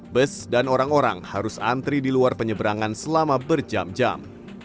bus dan orang orang harus antri di luar penyeberangan selama berjam jam